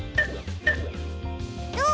どう？